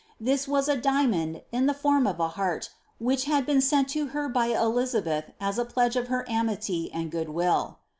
'" This was a diamond, in the form of a heart, which had been aenl to her by Elizabeth as a pledge of her amity and good will.